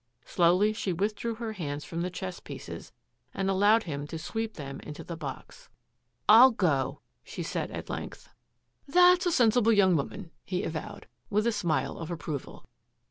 Slowly she withdrew her hands from the chess pieces and al lowed him to sweep them into the box. " I'll go," she said at length. THE CONFESSION 249 (( That's a sensible young woman," he avowed, with a smile of approval.